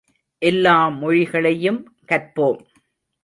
எல்லா மொழிகளையும் கற்போம்!